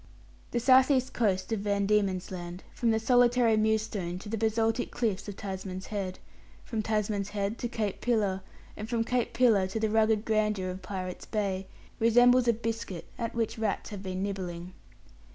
The south east coast of Van Diemen's Land, from the solitary Mewstone to the basaltic cliffs of Tasman's Head, from Tasman's Head to Cape Pillar, and from Cape Pillar to the rugged grandeur of Pirates' Bay, resembles a biscuit at which rats have been nibbling.